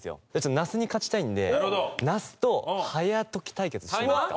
那須に勝ちたいんで那須と早解き対決してもいいですか？